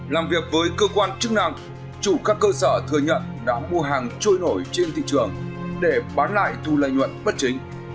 làm việc với cơ quan chức năng chủ các cơ sở thừa nhận đã mua hàng trôi nổi trên thị trường để bán lại thu lợi nhuận bất chính